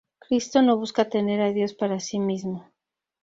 Cristo no busca tener a Dios para sí mismo.